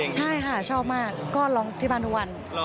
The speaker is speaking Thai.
ใช่ค่ะชอบมากก็ร้องที่บ้านทุกวัน